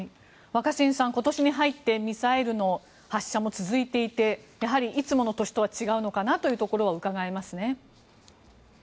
若新さん、今年に入ってミサイルの発射も続いていてやはりいつもの年とは違うのかなというところはうかがえますね。